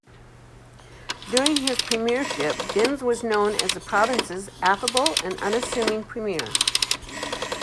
During his premiership, Binns was known as the province's affable and unassuming premier.